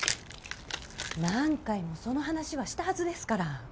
何回もその話はしたはずですから。